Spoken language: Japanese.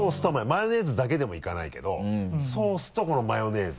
マヨネーズだけでもいかないけどソースとこのマヨネーズ。